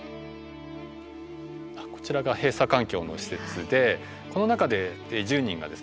こちらが閉鎖環境の施設でこの中で１０人が暮らすんですね。